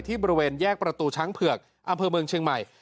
บริเวณแยกประตูช้างเผือกอำเภอเมืองเชียงใหม่